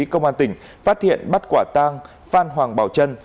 công an tỉnh phát hiện bắt quả tang phan hoàng bảo trân